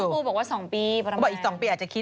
นางปูบอกว่าสองปีอีกสองปีอาจจะคิด